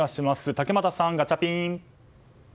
竹俣さん、ガチャピン。